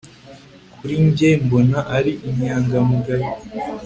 kuri njye mbona ari inyangamugayo